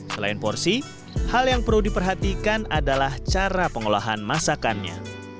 selain porsi hal yang perlu diperhatikan adalah cara pengolahan masakannya